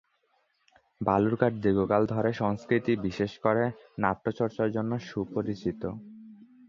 বালুরঘাট দীর্ঘকাল ধরে সংস্কৃতি, বিশেষ করে নাট্যচর্চার জন্য সুপরিচিত।